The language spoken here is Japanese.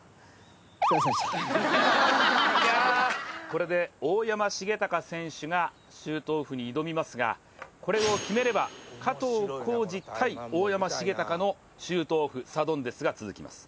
これで大山重隆選手がシュートオフに挑みますがこれを決めれば加藤浩次×大山重隆のシュートオフサドンデスが続きます。